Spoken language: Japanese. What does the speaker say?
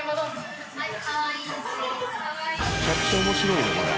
めちゃくちゃ面白いねこれ。